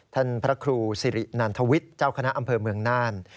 พระครูสิรินันทวิทย์เจ้าคณะอำเภอเมืองน่าน